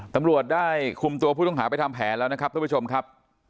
ตำรวจได้คุมตัวผู้ต้องหาไปทำแผนแล้วนะครับทุกผู้ชมครับ